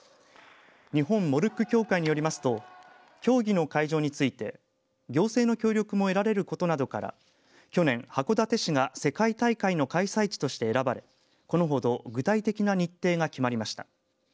日本モルック協会によりますと競技の会場について行政の協力も得られることなどから去年函館市が世界大会の開催地として選ばれこのほど具体的な日程が決まりました。